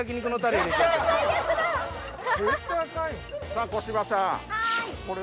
さあ小芝さん。